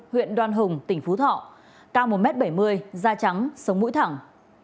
huyện đoan hùng tỉnh phú thọ cao một m bảy mươi da trắng sống mũi thẳng